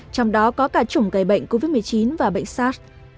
trong đó có cả chủng gây bệnh covid một mươi chín và bệnh sars